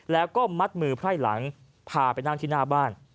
แล้วก็มัดมือไพร่หลังพาไปนั่งที่หน้าบ้าน